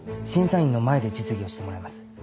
審査員の前で実技をしてもらいます。